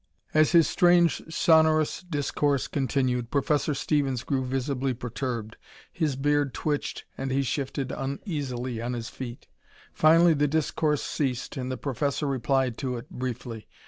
As his strange, sonorous discourse continued, Professor Stevens grew visibly perturbed. His beard twitched and he shifted uneasily on his feet. Finally the discourse ceased and the professor replied to it, briefly.